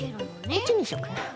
こっちにしようかな。